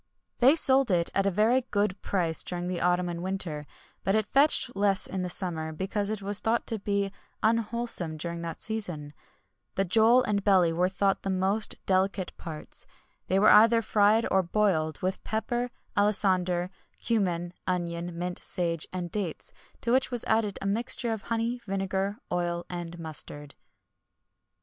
[XXI 105] They sold it at a very good price during the autumn and winter; but it fetched less in summer because it was thought to be unwholesome during that season.[XXI 106] The jole and belly were thought the most delicate parts.[XXI 107] They were either fried or boiled, with pepper, alisander, cummin, onion, mint, sage, and dates, to which was added a mixture of honey, vinegar, oil, and mustard.